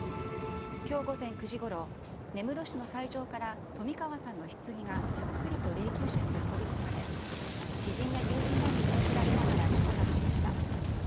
きょう午前９時ごろ、根室市の斎場から冨川さんのひつぎがゆっくりと霊きゅう車に運び込まれ、知人や友人らに見送られながら出棺しました。